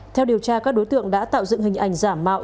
theo điều tra các đối tượng đã tạo dựng hình ảnh giả mạo